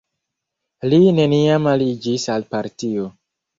Li neniam aliĝis al partio.